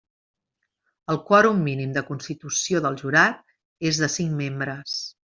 El quòrum mínim de constitució del jurat és de cinc membres.